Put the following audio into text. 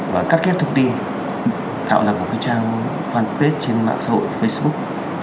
và cắt ghép thông tin tạo lập một trang fanpage trên mạng xã hội facebook